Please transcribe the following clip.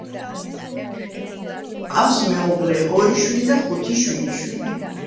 ჰყავს მეუღლე, ორი შვილი და ხუთი შვილიშვილი.